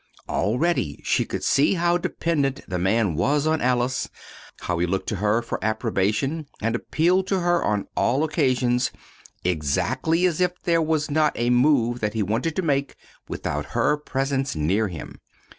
Already she could see how dependent the man was on Alice, how he looked to her for approbation, and appealed to her on all occasions, exactly as if there was not a move that he wanted to make without her presence near him.